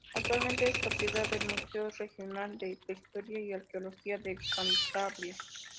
Actualmente es propiedad del Museo Regional de Prehistoria y Arqueología de Cantabria.